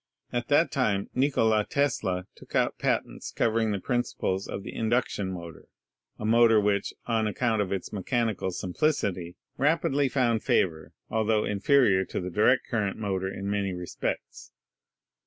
At that time Ni kola Tesla took out patents covering the principles of the induction motor — a motor which, on account of its me chanical simplicity, rapidly found favor, altho inferior to the direct current motor in many respects.